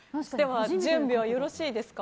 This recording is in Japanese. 準備はよろしいですか？